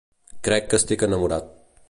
Crec que estic enamorat.